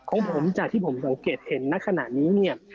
ของผมจากที่ผมสังเกตเห็นณขณะนี้เนี่ย